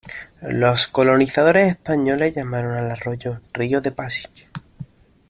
Los colonizadores españoles llamaron al arroyo "Río de Pasig".